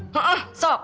nggak eh sok